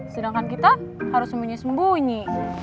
sedangkan kita harus sembunyi sembunyi